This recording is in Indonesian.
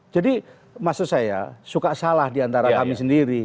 jadi maksud saya suka salah diantara kami sendiri